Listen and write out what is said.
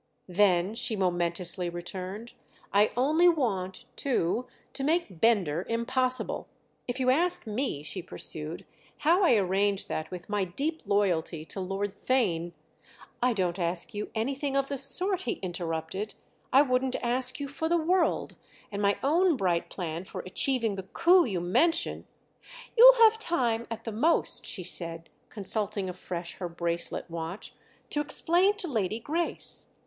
"Then," she momentously returned, "I only want, too, to make Bender impossible. If you ask me," she pursued, "how I arrange that with my deep loyalty to Lord Theign——" "I don't ask you anything of the sort," he interrupted—"I wouldn't ask you for the world; and my own bright plan for achieving the coup you mention———" "You'll have time, at the most," she said, consulting afresh her bracelet watch, "to explain to Lady Grace."